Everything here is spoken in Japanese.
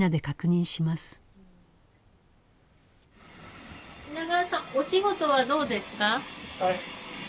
品川さんお仕事はどうですか？